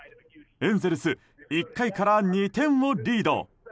エンゼルス１回から２点をリード。